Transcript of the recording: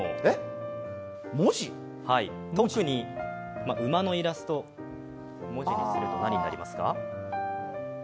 特に馬のイラストを文字にすると何になりますか？